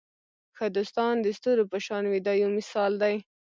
ښه دوستان د ستورو په شان وي دا یو مثال دی.